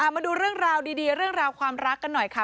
มาดูเรื่องราวดีเรื่องราวความรักกันหน่อยค่ะ